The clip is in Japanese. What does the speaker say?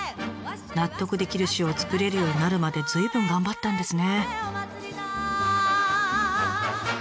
納得できる塩を作れるようになるまで随分頑張ったんですね。